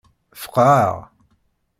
Feqɛeɣ.